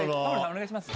お願いします。